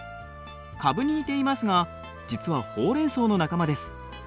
カブに似ていますが実はホウレンソウの仲間です。